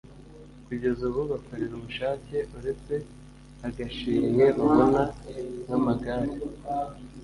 kugeza ubu bakorera ubushake uretse agashimwe babona nk'amagare,